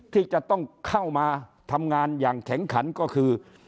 ที่จะต้องเข้ามาทำงานอย่างแข็งขันก็คือ